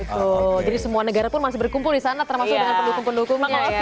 betul jadi semua negara pun masih berkumpul di sana termasuk dengan pendukung pendukungnya